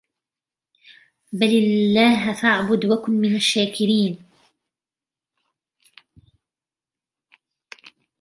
بل الله فاعبد وكن من الشاكرين